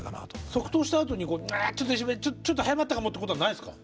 即答したあとにちょっと早まったかもってことはないですか？